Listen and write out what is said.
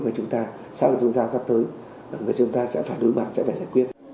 mà chúng ta sau khi dùng ra gặp tới chúng ta sẽ phải đối mạng sẽ phải giải quyết